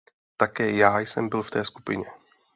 Také já jsem byl v té skupině.